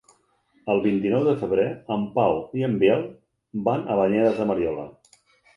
El vint-i-nou de febrer en Pau i en Biel van a Banyeres de Mariola.